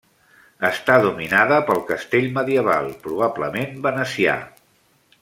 Està dominada pel castell medieval, probablement venecià.